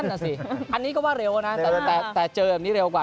นั่นน่ะสิอันนี้ก็ว่าเร็วนะแต่เจอแบบนี้เร็วกว่า